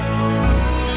setelah beberapa hari